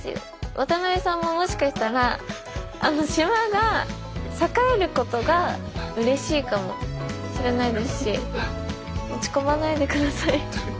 渡邊さんももしかしたらあの島が栄えることがうれしいかもしれないですし落ち込まないでください。